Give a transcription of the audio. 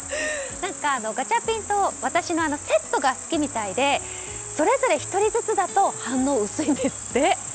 ガチャピンと私のセットが好きみたいでそれぞれ１人ずつだと反応薄いんですって。